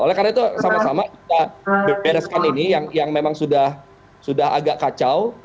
oleh karena itu sama sama kita bereskan ini yang memang sudah agak kacau